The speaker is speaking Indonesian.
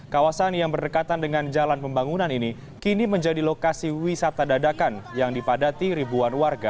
kawasan yang berdekatan dengan jalan pembangunan ini kini menjadi lokasi wisata dadakan yang dipadati ribuan warga